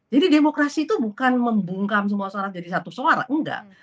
jadi demokrasi itu bukan membungkam semua suara jadi satu suara enggak